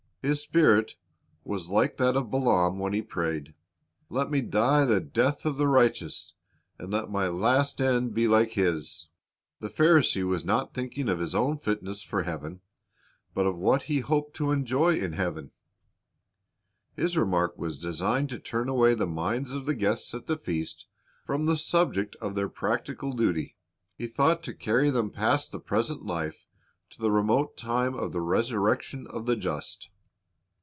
His spirit was like that of Balaam when he prayed, "Let me die the death of the righteous, and let my last end be like his."' The Pharisee was not thinking of his own fitness for heaven, but of what he hoped to enjoy in heaven. His remark was designed to turn away the minds of the guests at the feast from the subject of their practical duty. He thought to carry them past the present life to the remote time of the resurrection of the just.